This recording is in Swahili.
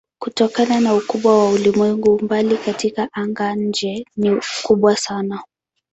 Kutokana na ukubwa wa ulimwengu umbali katika anga-nje ni kubwa sana.